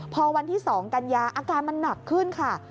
พอวันที่๒กันยาอาการมันหนักขึ้นค่ะ